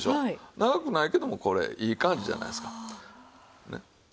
長くないけどもこれいい感じじゃないですか。ね